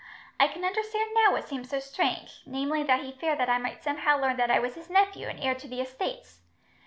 I can understand now what seemed so strange, namely, that he feared I might somehow learn that I was his nephew, and heir to the estates.